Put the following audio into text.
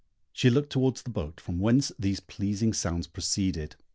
She looked towards the boat from whence these pleasing sounds proceeded.